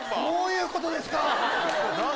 どういうことですか！